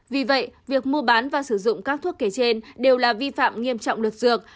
vì vậy việc mua bán và sử dụng các thuốc kể trên đều là vi phạm nghiêm trọng luật dược